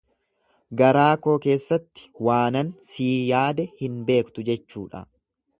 Garaa koo keessatti waanan sii yaade hin beektu jechuudha.